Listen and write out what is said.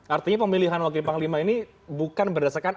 artinya pemilihan wakil panglima ini bukan berdasarkan